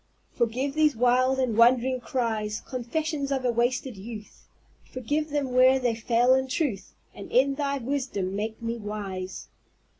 "Forgive these wild and wandering cries, Confessions of a wasted youth; Forgive them where they fail in truth, And in Thy wisdom make me wise."